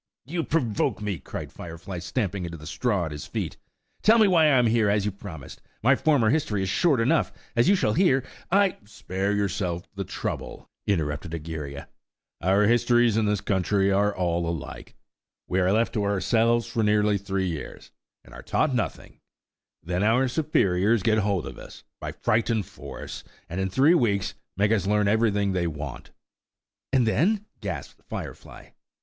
"You provoke me," cried Firefly, stamping into the straw at his feet. "Tell me why I am here, as you promised. My former history is short enough, as you shall hear. I–" "Spare yourself the trouble," interrupted Egeria. "Our histories in this country are all alike. We are left to ourselves for nearly three years, and are taught nothing; then our superiors get hold of us, by fright and force, and in three weeks make us learn everything they want." "And then?" gasped Firefly.